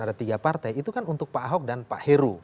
ada tiga partai itu kan untuk pak ahok dan pak heru